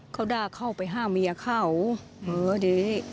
เขาด้าเข้าไปห้ามเมียเขามือดี